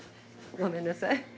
ごめんなさい。